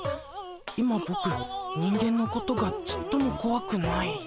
今ボク人間のことがちっともこわくない？